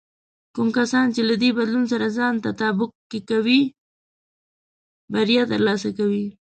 کوم کسان چې له دې بدلون سره ځان تطابق کې کوي، بریا ترلاسه کوي.